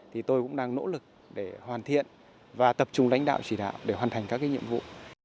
thì tôi cũng đang nỗ lực để hoàn thiện và tập trung lãnh đạo chỉ đạo để hoàn thành các nhiệm vụ